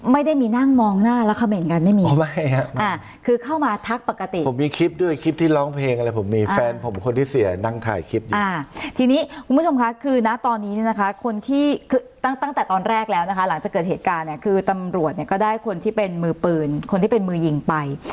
ไม่ได้มีนั่งมองหน้าแล้วเขม่นกันไม่มีคือเข้ามาทักปกติผมมีคลิปด้วยคลิปที่ร้องเพลงอะไรผมมีแฟนผมคนที่เสียนั่งถ่ายคลิปอยู่อ่าทีนี้คุณผู้ชมคะคือนะตอนนี้เนี่ยนะคะคนที่คือตั้งแต่ตอนแรกแล้วนะคะหลังจากเกิดเหตุการณ์เนี่ยคือตำรวจเนี่ยก็ได้คนที่เป็นมือปืนคนที่เป็นมือยิงไป